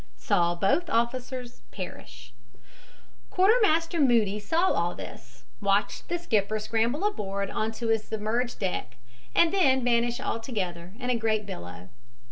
SAW BOTH OFFICERS PERISH Quartermaster Moody saw all this, watched the skipper scramble aboard again onto the submerged decks, and then vanish altogether in a great billow.